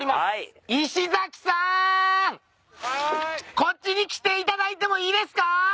こっちに来ていただいてもいいですか？